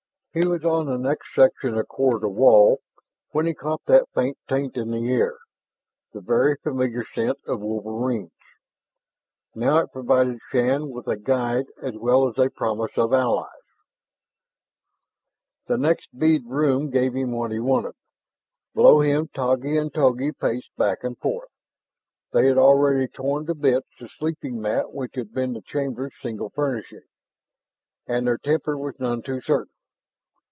He was on the next section of corridor wall when he caught that faint taint in the air, the very familiar scent of wolverines. Now it provided Shann with a guide as well as a promise of allies. The next bead room gave him what he wanted. Below him Taggi and Togi paced back and forth. They had already torn to bits the sleeping mat which had been the chamber's single furnishing, and their temper was none too certain.